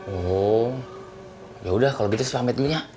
oh ya udah kalau gitu selamat dunia